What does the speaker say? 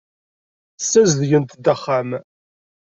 Ssazedgent-d axxam.